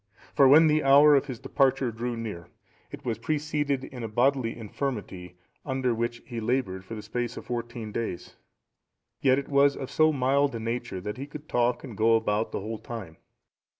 For when the hour of his departure drew near, it was preceded by a bodily infirmity under which he laboured for the space of fourteen days, yet it was of so mild a nature that he could talk and go about the whole time.